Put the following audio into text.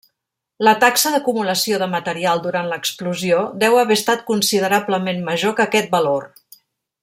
La taxa d'acumulació de material durant l'explosió deu haver estat considerablement major que aquest valor.